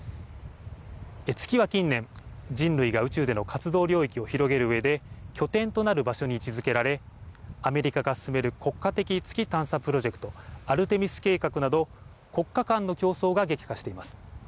月は近年、人類が宇宙での活動領域を広げるうえで拠点となる場所に位置づけられアメリカが進める国家的月探査プロジェクト、アルテミス計画など国家間の競争が激化しています。